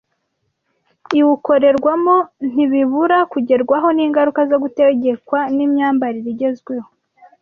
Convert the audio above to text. iwukorerwamo ntibibura kugerwaho n’ingaruka zo gutegekwa n’imyambarire igezweho